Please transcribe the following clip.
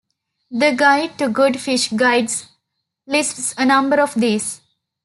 The Guide to Good Fish Guides lists a number of these.